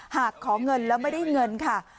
หากขอเงินแล้วไม่ได้เงินค่ะ